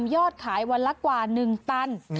ยอดขายวันละกว่า๑ตัน